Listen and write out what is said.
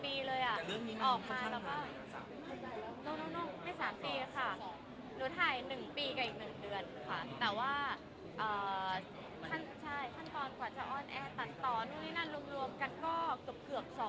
แต่ว่าขั้นก่อนกว่าจะอ้อนแอสตัดต่อรวมกันก็ับเกือบแม่นปีกับ๘เดือนประมาณนี้ค่ะ